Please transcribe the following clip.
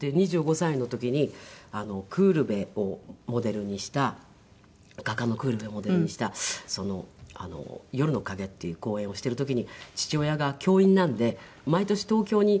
で２５歳の時にクールベをモデルにした画家のクールベをモデルにした『夜の影』っていう公演をしている時に父親が教員なんで毎年東京に勉強しに来るんですね。